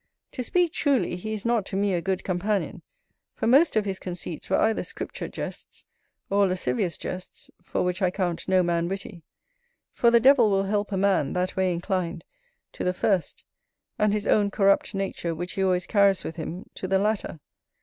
To speak truly, he is not to me a good companion, for most of his conceits were either scripture jests, or lascivious jests, for which I count no man witty: for the devil will help a man, that way inclined, to the first; and his own corrupt nature, which he always carries with him, to the latter.